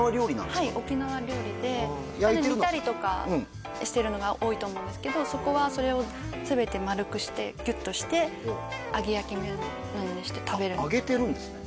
はい沖縄料理で煮たりとかしてるのが多いと思うんですけどそこはそれを全て丸くしてギュッとして揚げ焼きなどにして食べるあっ揚げてるんですね